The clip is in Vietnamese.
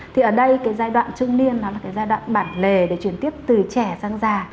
thì ở đây cái giai đoạn trưng niên là giai đoạn bản lề để chuyển tiếp từ trẻ sang già